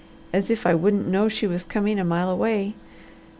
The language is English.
As if I wouldn't know she was coming a mile away!